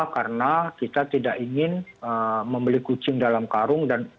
karena kita tidak ingin membeli kucing dalam karung